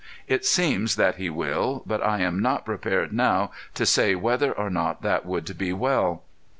It seems that he will, but I am not prepared now to say whether or not that would be well.